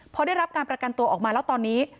พอได้รับการประกันตัวออกมาแล้วตอนนี้